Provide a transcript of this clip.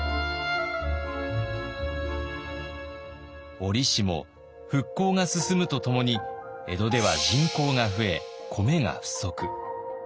折しも復興が進むとともに江戸では人口が増え米が不足。